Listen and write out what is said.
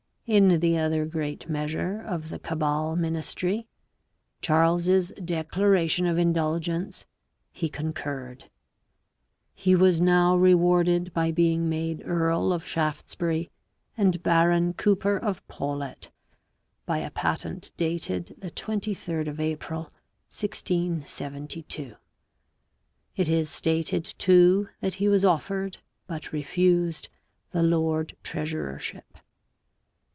In the other great measure of the Cabal ministry, Charles's Declaration of Indulgence, he concurred. He was now rewarded by being made earl of Shaftesbury and Baron Cooper of Pawlett by a patent dated the 23rd of April 1672. It is stated too that he was offered, but refused, the lord treasurership.